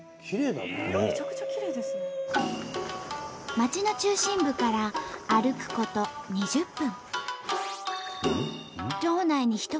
町の中心部から歩くこと２０分。